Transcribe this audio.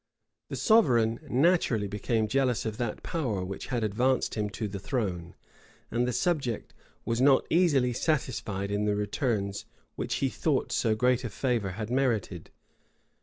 The sovereign naturally became jealous of that power which had advanced him to the throne; and the subject was not easily satisfied in the returns which he thought so great a favor had merited.